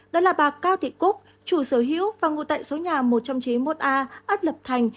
đó là bà cao thị cúc chủ sở hữu và ngồi tại số nhà một trăm chín mươi một a ấp lập thành